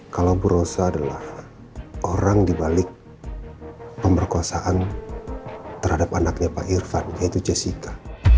kalau bu rosa adalah orang dibalik pemberkuasaan terhadap anaknya pak irvan yaitu jessica